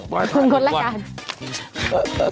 มันนี่ถ้าอยากข่าวอีกหน่อยนะครับ